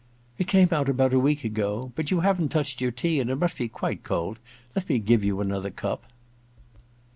*It came out about a week ago. But you haven't touched your tea and it must be quite cold. Let me give you another cup.